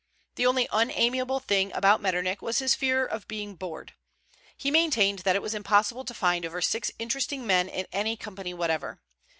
The only unamiable thing about Metternich was his fear of being bored. He maintained that it was impossible to find over six interesting men in any company whatever.